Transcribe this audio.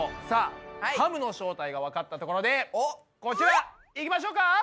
さあハムの正体がわかったところでこちらいきましょうか！